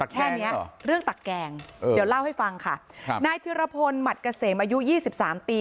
แค่เนี้ยเรื่องตักแกงเดี๋ยวเล่าให้ฟังค่ะครับนายธิรพลหมัดเกษมอายุยี่สิบสามปี